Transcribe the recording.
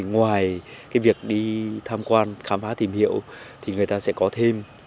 ngoài cái việc đi tham quan khám phá tìm hiểu thì người ta sẽ có thêm